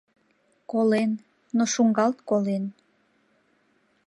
«Колен, но шуҥгалт колен».